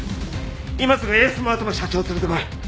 今すぐエースマートの社長を連れてこい。